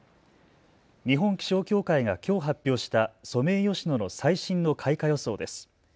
日本気象協会がきょう発表したソメイヨシノの最新の開花予想です。